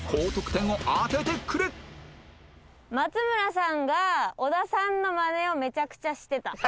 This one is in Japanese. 松村さんが小田さんのマネをめちゃくちゃしてた。